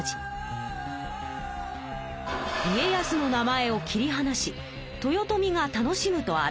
家康の名前を切りはなし豊臣が楽しむとある。